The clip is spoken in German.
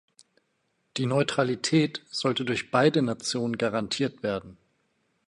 Die Neutralität sollte durch beide Nationen garantiert werden.